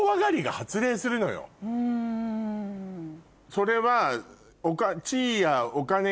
それは。